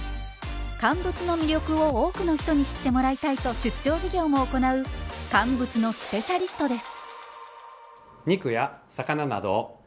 乾物の魅力を多くの人に知ってもらいたいと出張授業も行う乾物のスペシャリストです。